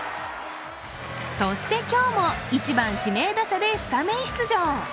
そして今日も１番・指名打者でスタメン出場。